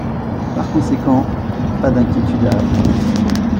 Par conséquent, pas d’inquiétude à avoir.